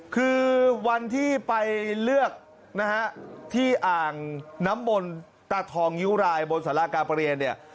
คือวันที่ไปเลือกนะฮะที่อ่างน้ำมนตาทองนิ้วรายบนสาราการประเรียนเนี่ย